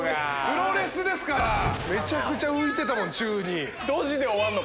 プロレスですからめちゃくちゃ浮いてたもん宙に。